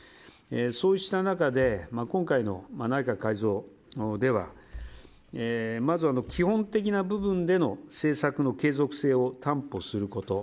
そうした中で今回の内閣改造ではまず、基本的な部分での政策の継続性を担保すること。